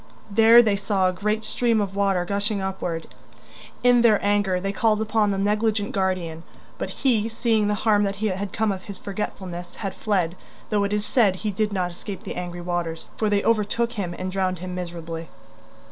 There they saw a great stream of water gushing upward. In their anger they called upon the negligent guardian, but he, seeing the harm that had come of his forgetfulness, had fled, though it is said he did not escape the angry waters, for they overtook him and drowned him miserably.